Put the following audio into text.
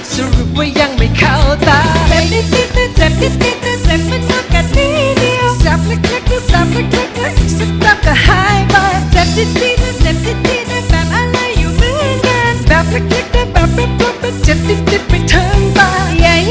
สับเพียงจะรองเพลงหนูได้ไหมเนี่ย